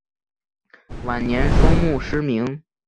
晚年双目失明。